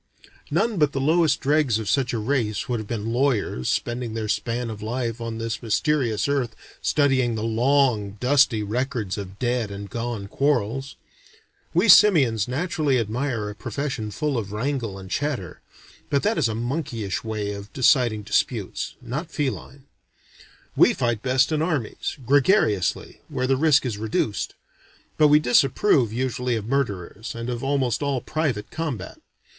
None but the lowest dregs of such a race would have been lawyers spending their span of life on this mysterious earth studying the long dusty records of dead and gone quarrels. We simians naturally admire a profession full of wrangle and chatter. But that is a monkeyish way of deciding disputes, not feline. We fight best in armies, gregariously, where the risk is reduced; but we disapprove usually of murderers, and of almost all private combat.